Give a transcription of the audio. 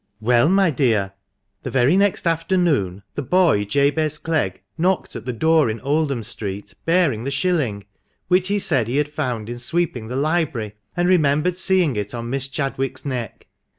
" Well, my dear, the very next afternoon, the boy Jabez Clegg knocked at the door in Oldham Street, bearing the shilling, which he said he had found in sweeping the library, and remembered seeing it on Miss Chadwick's neck.